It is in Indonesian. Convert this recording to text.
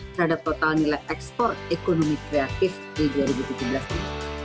terhadap total nilai ekspor ekonomi kreatif di dua ribu tujuh belas ini